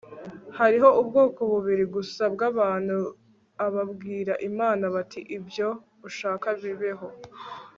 hariho ubwoko bubiri gusa bw'abantu ababwira imana bati ibyo ushaka bibeho